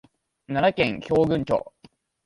奈良県平群町